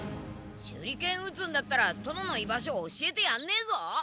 手裏剣打つんだったら殿の居場所教えてやんねえぞ。